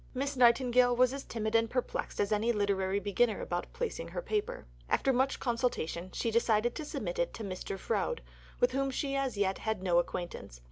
Miss Nightingale was as timid and perplexed as any literary beginner about placing her paper. After much consultation she decided to submit it to Mr. Froude, with whom as yet she had no acquaintance.